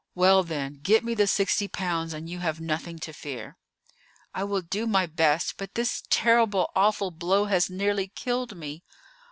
"Well, then, get me the sixty pounds, and you have nothing to fear." "I will do my best; but this terrible, awful blow has nearly killed me."